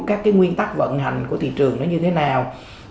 các cái nguyên tắc vận hành của thị trường nó như thế nào